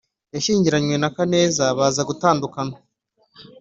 yashyingiranywe na kaneza baza gutandukana